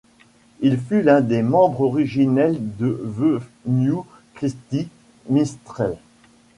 Il fut l'un des membres originels de The New Christy Minstrels.